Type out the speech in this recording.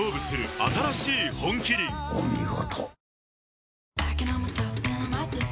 お見事。